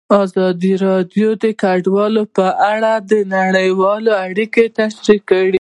ازادي راډیو د کډوال په اړه نړیوالې اړیکې تشریح کړي.